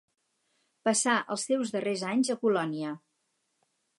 Passà els seus darrers anys a Colònia.